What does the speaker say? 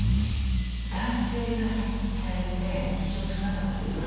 男性が戦死されて非常に少なかったんですね。